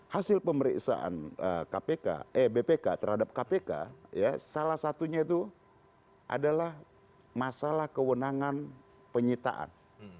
hasil pemeriksaan bpk terhadap kpk salah satunya itu adalah masalah kewenangan penyitaan